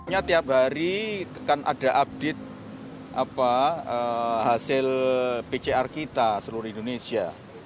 setiap hari akan ada update hasil pcr kita seluruh indonesia